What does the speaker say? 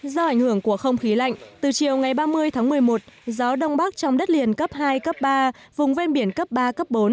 do ảnh hưởng của không khí lạnh từ chiều ngày ba mươi tháng một mươi một gió đông bắc trong đất liền cấp hai cấp ba vùng ven biển cấp ba cấp bốn